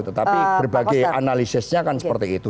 tetapi berbagai analisisnya kan seperti itu